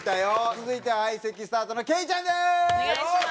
続いては相席スタートのケイちゃんです！